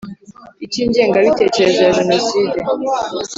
icy ingengabitekerezo ya jenoside